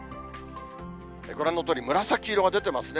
ご覧のとおり、紫色が出ていますね。